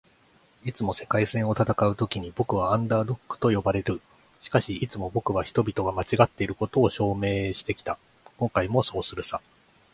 「いつも“世界戦”を戦うときに僕は『アンダードッグ』と呼ばれる。しかし、いつも僕は人々が間違っていることを証明してきた。今回もそうするさ」